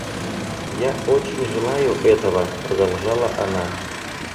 Я очень желаю этого, — продолжала она.